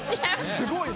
すごいね。